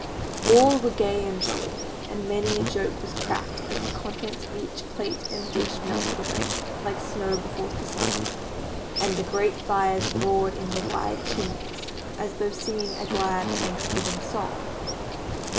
All were gay and jolly, and many a joke was cracked as the contents of each plate and dish melted away like snow before the sun, and the great fires roared in the wide chimneys as though singing a glad Thanksgiving song.